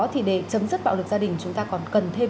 thì để chấm dứt bạo lực gia đình chúng ta còn cần thêm